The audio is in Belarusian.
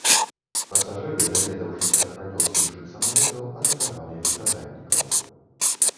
Пасажыры, даведаўшыся пра лёс іншых самалётаў, атакавалі выкрадальнікаў.